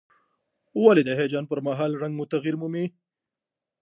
ولې د هیجان پر مهال رنګ مو تغییر مومي؟